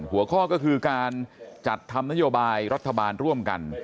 หัวข้อก็คือการจัดทำนโยบายรัฐบาลร่วมกัน